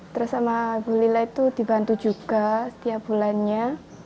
terus sama ibu lila itu dibantu juga setiap bulannya